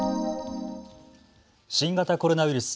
新型コロナウイルス。